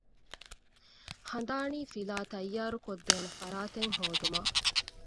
ހަނދާނީފިލާ ތައްޔާރު ކޮށްދޭނެ ފަރާތެއް ހޯދުމަށް